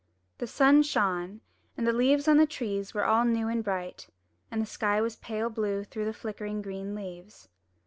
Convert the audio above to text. The sun shone, and the leaves on the trees were all new and bright, and the sky was pale blue through the flickering green leaves.